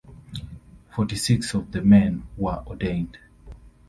Forty-six of the men were ordained.